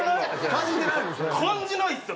感じないっすよ！